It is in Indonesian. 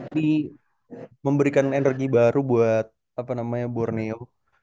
ini memberikan energi baru buat borneo